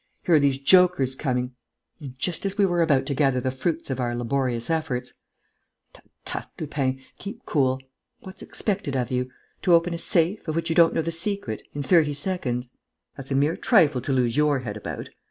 Here are these jokers coming ... and just as we were about to gather the fruits of our laborious efforts! Tut, tut, Lupin, keep cool! What's expected of you? To open a safe, of which you don't know the secret, in thirty seconds. That's a mere trifle to lose your head about!